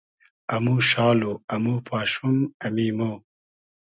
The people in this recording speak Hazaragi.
امو شال و امو پاشوم ، امی مۉ